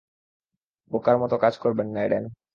বোকার মত কাজ করবেননা, এডেন।